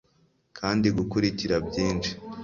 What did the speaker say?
kandi gukurikira byinshi